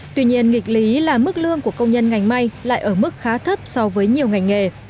tuy nhiên nghịch lý là mức lương của công nhân ngành may lại ở mức khá thấp so với nhiều ngành nghề